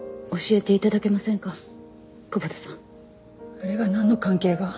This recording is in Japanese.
あれがなんの関係が？